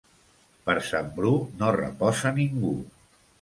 Per Sant Bru no reposa ningú.